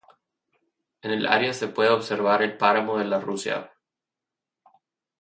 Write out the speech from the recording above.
En el área se puede observar el Páramo de la Rusia.